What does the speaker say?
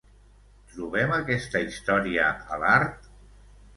Trobem aquesta història a l'art?